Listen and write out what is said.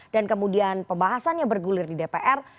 dan kemudian pembahasan yang bergulir di dpr